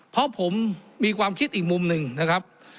เพราะผมมีความคิดอีกมุมหนึ่งนะครับ